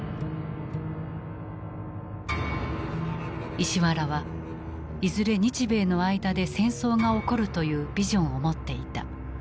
石原はいずれ日米の間で戦争が起こるというビジョンを持っていた。